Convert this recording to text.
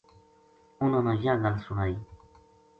اُنھاں نا یاہ گل سنائی